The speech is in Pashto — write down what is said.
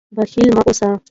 بخیل مه اوسئ.